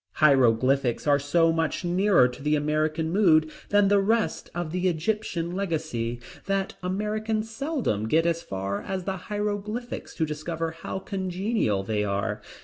Hieroglyphics are so much nearer to the American mood than the rest of the Egyptian legacy, that Americans seldom get as far as the Hieroglyphics to discover how congenial they are.